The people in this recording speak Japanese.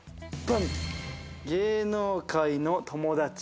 芸能界の友達。